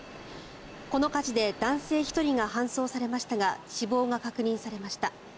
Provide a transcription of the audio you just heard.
この火事で男性１人が搬送されましたが死亡が確認されました。